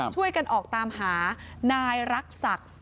ช่วยกันออกตามหานายรักษัก